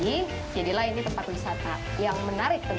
iya boleh dicoba untuk menambangnya ya pak